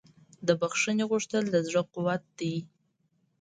د بښنې غوښتل د زړه قوت دی.